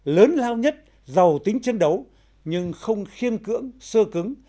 lớn lao nhất giàu tính chiến đấu nhưng không khiêm cưỡng sơ cứng